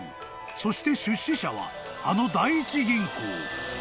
［そして出資者はあの第一銀行］